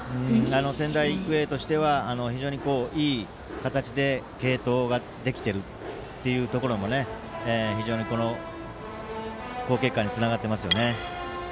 仙台育英としては非常にいい形で継投ができているというところも非常に、この好結果につながってますよね。